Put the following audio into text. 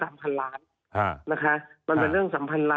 มันเป็นเรื่อง๓๐๐๐๐๐๐